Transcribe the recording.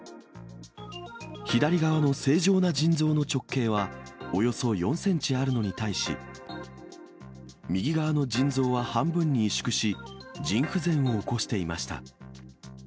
左側の正常な腎臓の直径はおよそ４センチあるのに対し、右側の腎臓は半分に委縮し、腎不全を起こしていました。